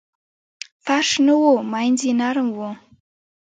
فرش نه و مینځ یې نرم و.